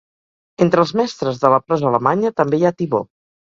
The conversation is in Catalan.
Entre els mestres de la prosa alemanya també hi ha Thibaut.